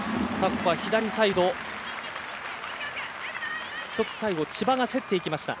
左サイド、最後千葉が競っていきました。